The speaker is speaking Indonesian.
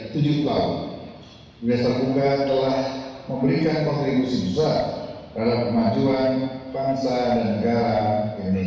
sejak berdiri pada tanggal empat september seribu sembilan ratus delapan puluh empat sampai usia hari ini